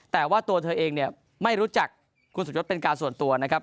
แต่ว่าตัวเธอเองเนี่ยไม่รู้จักคุณสมยศเป็นการส่วนตัวนะครับ